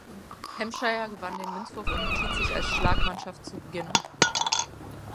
Hampshire gewann den Münzwurf und entschied sich als Schlagmannschaft zu beginnen.